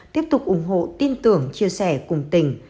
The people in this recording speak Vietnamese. tiếp tục ủng hộ tin tưởng chia sẻ cùng tỉnh